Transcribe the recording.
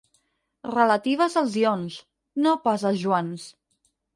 Relatives als ions, no pas als Joans.